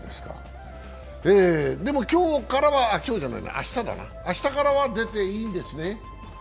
でも明日からは出ていいんですね。